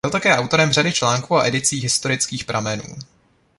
Byl také autorem řady článků a edicí historických pramenů.